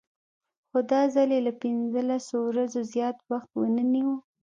خو دا ځل یې له پنځلسو ورځو زیات وخت ونه نیوه.